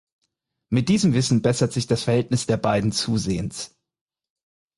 Mit diesem Wissen bessert sich das Verhältnis der beiden zusehends.